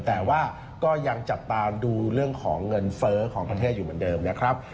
แต่ว่าก็ยังจับตาดูเรื่องของเงินเฟ้อของประเทศอยู่เหมือนเดิมนะครับ